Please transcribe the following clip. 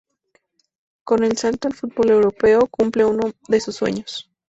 Con el salto al fútbol europeo, cumple uno de sus sueños.